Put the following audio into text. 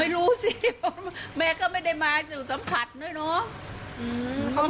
ไม่รู้สิเม้าก็ไม่ได้มาถือสัมผัสด้วยเนาะ